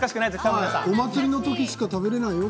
お祭りの時しか食べられないよ